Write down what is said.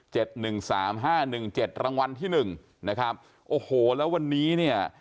หนึ่งสามห้าหนึ่งเจ็ดรางวัลที่หนึ่งนะครับโอ้โหแล้ววันนี้เนี่ย